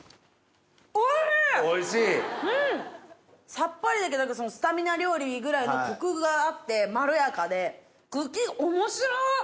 さっぱりだけどスタミナ料理ぐらいのコクがあってまろやかで茎おもしろ！